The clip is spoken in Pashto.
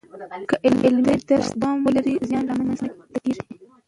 که عملي درس دوام ولري، زیان را منځ ته کیږي.